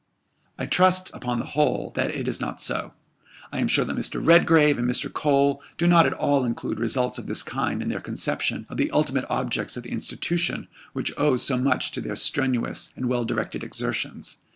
I trust, upon the whole, that it is not so: I am sure that Mr. Redgrave and Mr. Cole do not at all include results of this kind in their conception of the ultimate objects of the institution which owes so much to their strenuous and well directed exertions.